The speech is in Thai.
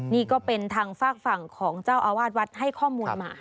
นี่ก็เป็นทางฝากฝั่งของเจ้าอาวาสวัดให้ข้อมูลมา